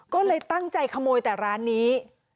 ก็เลยตั้งใจขโมยแต่ร้านนี้